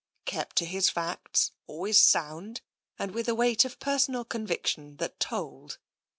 Kept to his facts, always sound, and with a weight of personal conviction that told.